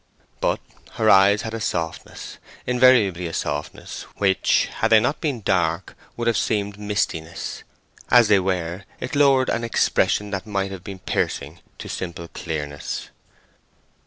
But her eyes had a softness—invariably a softness—which, had they not been dark, would have seemed mistiness; as they were, it lowered an expression that might have been piercing to simple clearness.